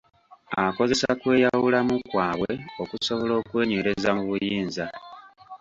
Akozesa kweyawulamu kwabwe okusobola okwenywereza mu buyinza.